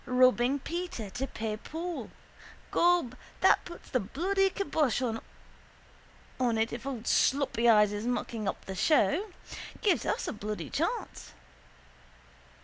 Robbing Peter to pay Paul. Gob, that puts the bloody kybosh on it if old sloppy eyes is mucking up the show. Give us a bloody chance.